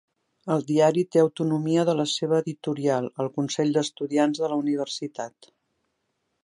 El diari té autonomia de la seva editorial, el Consell d'Estudiants de la Universitat.